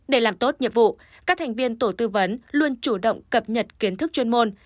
để làm tốt nhiệm vụ các thành viên tổ tư vấn luôn chủ động cập nhật kiến thức chuyên môn